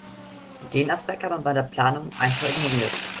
Den Aspekt hat man bei der Planung einfach ignoriert.